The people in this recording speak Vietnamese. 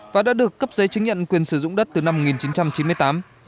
và đã được cấp giấy chứng nhận quyền sử dụng đất từ năm một nghìn chín trăm chín mươi tám